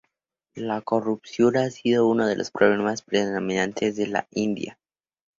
La corrupción ha sido uno de los problemas predominantes de la India.